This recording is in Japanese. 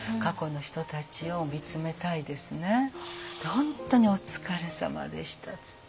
本当にお疲れさまでしたっつって。